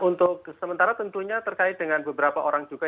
ya untuk sementara tentunya terkait dengan beberapa orang saksi